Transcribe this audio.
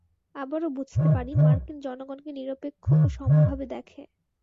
আবারও বুঝতে পারি, মার্কিন জনগণকে নিরপেক্ষ ও সমভাবে দেখে।